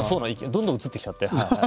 どんどんうつってきちゃって。